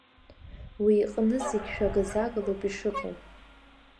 Уи иҟны зегьы ашәага-загалоуп ишыҟоу.